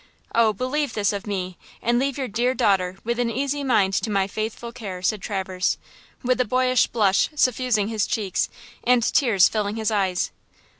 Oh, believe this of me, and leave your dear daughter with an easy mind to my faithful care," says Traverse, with a boyish blush suffusing his cheeks and tears filling his eyes.